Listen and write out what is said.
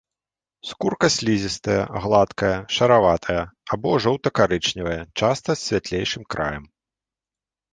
Скурка слізістая, гладкая, шараватая або жоўта-карычневая, часта з святлейшым краем.